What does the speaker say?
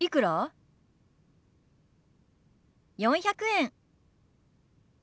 ４００円。